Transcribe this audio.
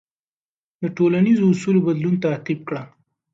د ټولنیزو اصولو بدلون تعقیب کړه.